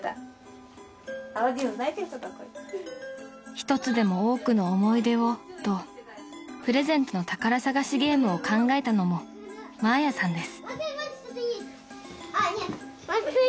［一つでも多くの思い出をとプレゼントの宝探しゲームを考えたのもマーヤさんです］